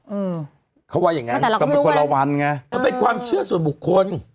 อืมเขาว่าอย่างงั้นเราเป็นคนละวันไงมันเป็นความเชื่อส่วนบุคคล